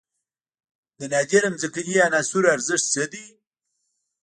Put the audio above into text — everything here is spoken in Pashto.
د نادره ځمکنۍ عناصرو ارزښت څه دی؟